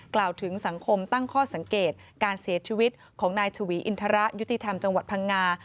กล่าวถึงสังคมตั้งข้อสังเกตการเสียชีวิตของนายชวีอินทระยุติธรรมจังหวัดพังงา